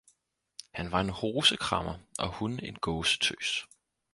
Han var en hosekræmmer og hun en gåsetøs